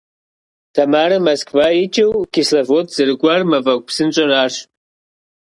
Тамарэ Москва икӏыу Кисловодск зэрыкӏуар мафӏэгу псынщӏэр арщ.